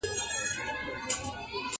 چي« رېبې به هغه څه چي دي کرلې»-